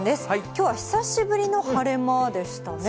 きょうは久しぶりの晴れ間でしたね。